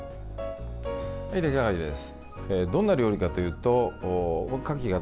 出来上がりです。